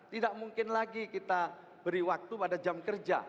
tidak mungkin lagi kita beri waktu pada jam kerja